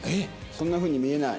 そんなふうに見えない。